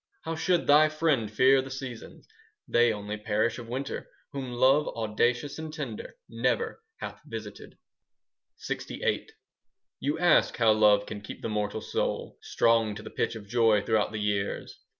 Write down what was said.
How should thy friend fear the seasons? They only perish of winter 10 Whom Love, audacious and tender, Never hath visited. LXVIII You ask how love can keep the mortal soul Strong to the pitch of joy throughout the years.